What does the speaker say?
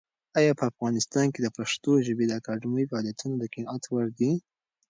ایا په افغانستان کې د پښتو ژبې د اکاډمۍ فعالیتونه د قناعت وړ دي؟